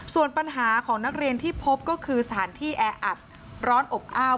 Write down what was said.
ส่วนปัญหาของนักเรียนที่พบก็คือสถานที่แออัดร้อนอบอ้าว